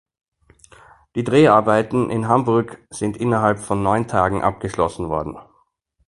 Die Dreharbeiten in Hamburg sind innerhalb von neun Tagen abgeschlossen worden.